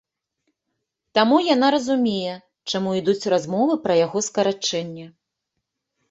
Таму яна разумее, чаму ідуць размовы пра яго скарачэнне.